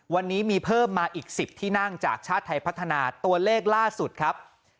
วันนี้มีเพิ่มมาอีก๑๐ที่นั่งจากชาติไทยพัฒนาตัวเลขล่าสุดครับ